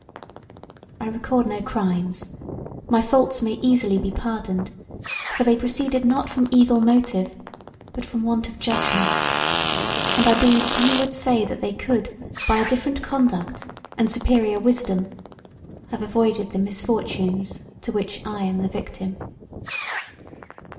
I record no crimes; my faults may easily be pardoned; for they proceeded not from evil motive but from want of judgement; and I believe few would say that they could, by a different conduct and superior wisdom, have avoided the misfortunes to which I am the victim.